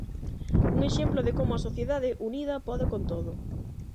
Un exemplo de como a sociedade unida pode con todo.